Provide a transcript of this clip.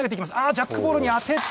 あジャックボールにあてて。